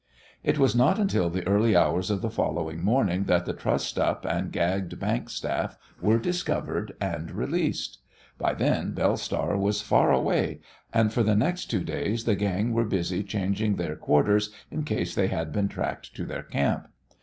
It was not until the early hours of the following morning that the trussed up and gagged bank staff were discovered and released. By then Belle Star was far away, and for the next two days the gang were busy changing their quarters in case they had been tracked to their camp.